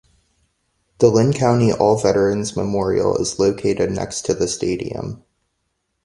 The Linn County All Veterans Memorial is located next to the stadium.